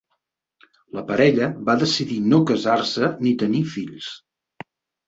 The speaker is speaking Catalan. La parella va decidir no casar-se ni tenir fills.